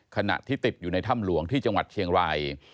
ขณะที่ติดอยู่ในถ้ำหลวงที่จังหวัดเชียงราย